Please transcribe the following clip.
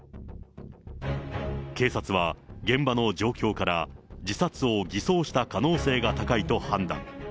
警察は現場の状況から、自殺を偽装した可能性が高いと判断。